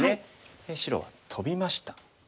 白はトビました。